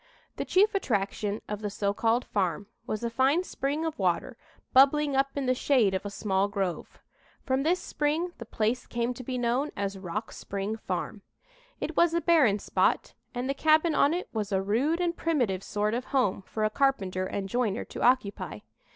The chief attraction of the so called farm was a fine spring of water bubbling up in the shade of a small grove. From this spring the place came to be known as "Rock Spring Farm." It was a barren spot and the cabin on it was a rude and primitive sort of home for a carpenter and joiner to occupy.